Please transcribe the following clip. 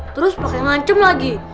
terus pake ngancem lagi